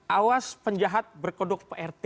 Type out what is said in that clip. awas penjahat berkodok prt